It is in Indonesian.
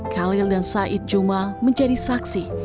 khalil dan said juma menjadi saksi